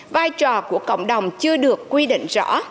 vai trò của cộng đồng chưa được quy định rõ